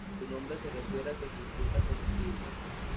Su nombre se refiere a que son frutas comestibles.